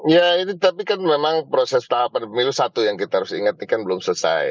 ya itu tapi kan memang proses tahapan pemilu satu yang kita harus ingat ini kan belum selesai